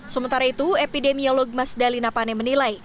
sementara itu epidemiolog mas dali napane menilai